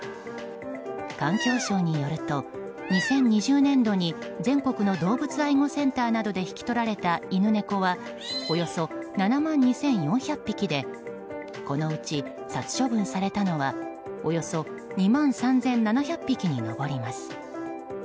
環境省によると２０２０年度に全国の動物愛護センターで引き取られた犬猫はおよそ７万２４００匹でこのうち殺処分されたのはおよそ２万３７００匹に上ります。